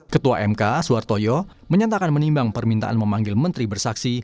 ketua mk suartoyo menyatakan menimbang permintaan memanggil menteri bersaksi